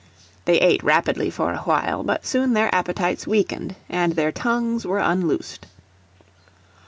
They ate rapidly for a while, but soon their appetites weakened and their tongues were unloosed.